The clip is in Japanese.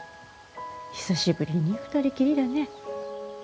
久しぶりに二人きりだね。